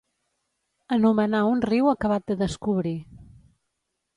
Anomenar un riu acabat de descobrir.